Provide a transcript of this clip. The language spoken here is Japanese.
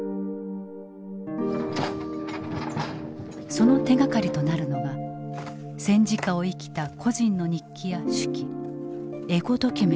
その手がかりとなるのが戦時下を生きた個人の日記や手記エゴドキュメントだ。